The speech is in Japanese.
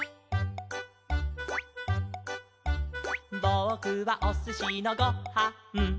「ぼくはおすしのご・は・ん」